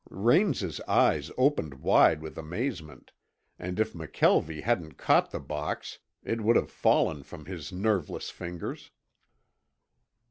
Raines' eyes opened wide with amazement, and if McKelvie hadn't caught the box it would have fallen from his nerveless fingers.